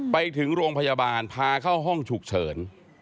ไปถึงโรงพยาบาลพาเข้าห้องฉุกเฉิน